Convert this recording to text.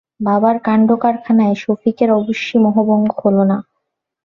বাবার কাণ্ডকারখানায় সফিকের অবশ্যি মোহভঙ্গ হল না।